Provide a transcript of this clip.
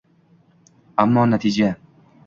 Ammo natija...